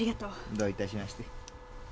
どういたしまして。